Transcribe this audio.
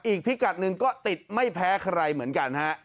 อีกพิกัดหนึ่งก็ติดไม่แพ้ใครเหมือนกันฮะ